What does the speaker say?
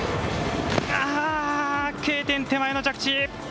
ああ、Ｋ点手前の着地。